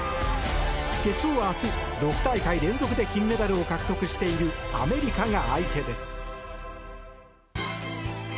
決勝は明日、６大会連続で金メダルを獲得しているアメリカが相手です。